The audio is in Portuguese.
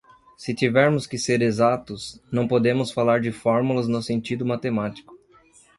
Se tivermos que ser exatos, não podemos falar de fórmulas no sentido matemático.